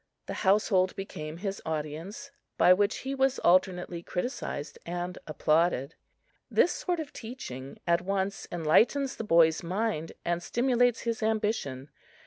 The household became his audience, by which he was alternately criticized and applauded. This sort of teaching at once enlightens the boy's mind and stimulates his ambition.